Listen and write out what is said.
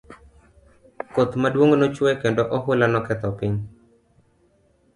Koth maduong' nochwe kendo ohula noketho piny.